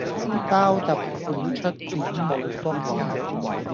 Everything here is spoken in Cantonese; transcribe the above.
包揼少出剪冇福